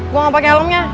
gue gak pake helmnya